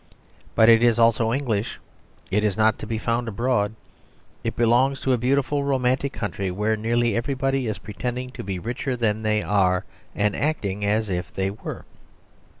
But it is also English; it is not to be found abroad; it belongs to a beautiful, romantic country where nearly everybody is pretending to be richer than they are, and acting as if they were.